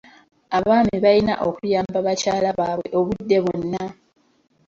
Abaami balina okuyamba bakyala baabwe obudde bwonna.